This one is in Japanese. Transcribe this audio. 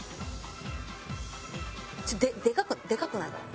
でかくでかくないかな？